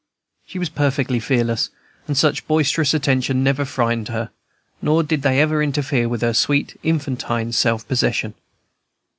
She was perfectly fearless, and such boisterous attentions never frightened her, nor did they ever interfere with her sweet, infantine self possession.